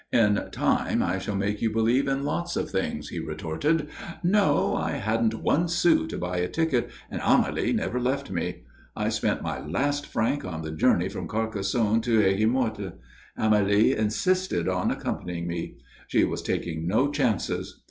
"In time I shall make you believe in lots of things," he retorted. "No. I hadn't one sou to buy a ticket, and Amélie never left me. I spent my last franc on the journey from Carcassonne to Aigues Mortes. Amélie insisted on accompanying me. She was taking no chances.